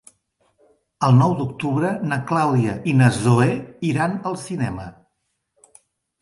El nou d'octubre na Clàudia i na Zoè iran al cinema.